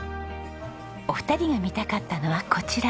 お二人が見たかったのはこちら。